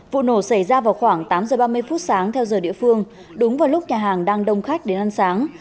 vụ nổ xảy ra vào khoảng tám giờ ba mươi phút sáng theo giờ địa phương đúng vào lúc nhà hàng đang đông khách đến ăn sáng